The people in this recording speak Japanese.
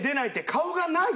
顔がない？